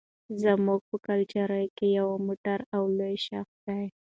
زموږ په کلچر کې يو مټور او لوى شخص دى